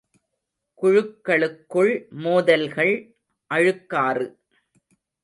குழுக்களுக்குள் மோதல்கள், அழுக்காறு!